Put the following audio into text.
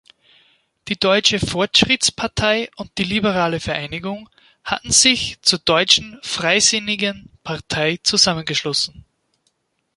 Die Deutsche Fortschrittspartei und die Liberale Vereinigung hatten sich zur Deutschen Freisinnigen Partei zusammengeschlossen.